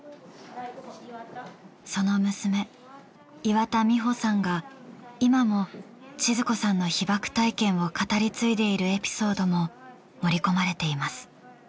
その娘岩田美穂さんが今もちづ子さんの被爆体験を語り継いでいるエピソードも盛り込まれています。